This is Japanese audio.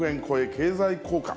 経済効果。